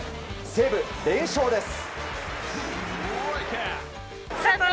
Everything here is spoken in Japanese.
西武、連勝です。